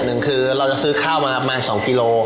หนึ่งคือเราจะซื้อข้าวมาประมาณ๒กิโล